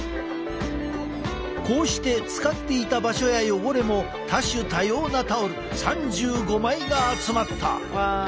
こうして使っていた場所や汚れも多種多様なタオル３５枚が集まった。